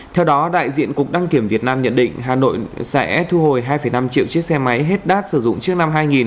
theo đó đại diện cục đăng kiểm việt nam nhận định hà nội sẽ thu hồi hai năm triệu chiếc xe máy hết đát sử dụng trước năm hai nghìn